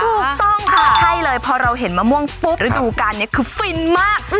ถูกต้องค่ะใช่เลยพอเราเห็นมะม่วงปุ๊บฤดูการนี้คือฟินมาก